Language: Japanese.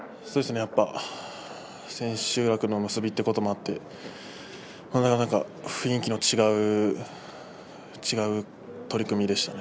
やっぱり千秋楽の結びということもあって雰囲気の違う取組でしたね。